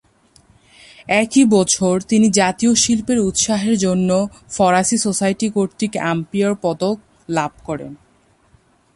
একই বছর তিনি জাতীয় শিল্পের উৎসাহের জন্য ফরাসি সোসাইটি কর্তৃক অ্যাম্পিয়ার পদক লাভ করেন।